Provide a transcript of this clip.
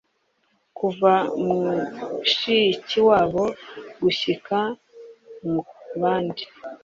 kuva Mushikiwabo gushyika no kubandi